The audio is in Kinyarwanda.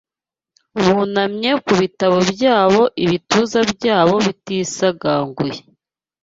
bunamye ku bitabo byabo, ibituza byabo bitisagaguye